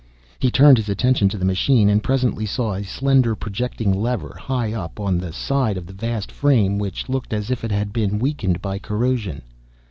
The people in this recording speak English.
He turned his attention to the machine, and presently saw a slender projecting lever, high up on the side of the vast frame, which looked as if it had been weakened by corrosion.